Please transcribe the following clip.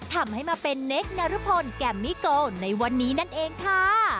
ทำให้มาเป็นเนคนรพลแกมมี่โกในวันนี้นั่นเองค่ะ